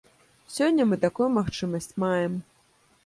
Сёння мы такую магчымасць маем.